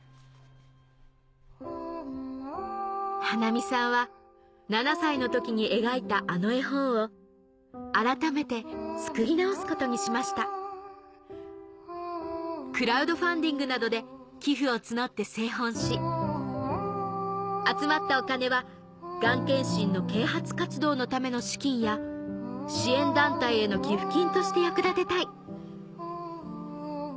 華実さんは７歳の時に描いたあの絵本をあらためて作り直すことにしました「クラウドファンディングなどで寄付を募って製本し集まったお金はがん検診の啓発活動のための資金や支援団体への寄付金として役立てたい」